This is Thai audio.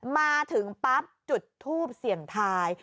มาถึงปั๊บจุดทูบเสี่ยงทาย